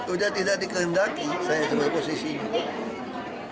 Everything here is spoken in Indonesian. udah tidak dikehendaki saya sebagai posisi ini